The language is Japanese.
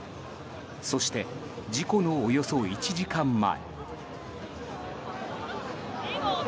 そして、事故のおよそ１時間前。